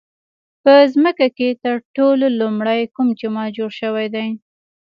په ځمکه کې تر ټولو لومړی کوم جومات جوړ شوی دی؟